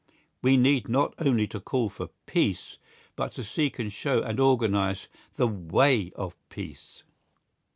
We need not only to call for peace, but to seek and show and organise the way of peace....